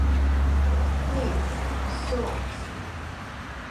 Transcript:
Please, সোকস।